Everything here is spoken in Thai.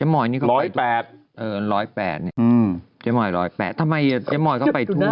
มันก็ไม่ผิดไม่ใช่เหรอ